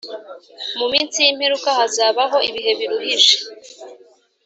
Mu minsi y imperuka hazabaho ibihe biruhije